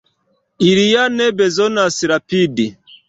Ili ja ne bezonas rapidi.